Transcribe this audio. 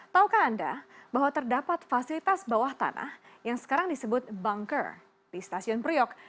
taukah anda bahwa terdapat fasilitas bawah tanah yang sekarang disebut banker di stasiun priok